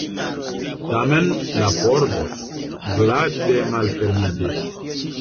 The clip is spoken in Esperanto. Tamen la pordo glate malfermiĝis.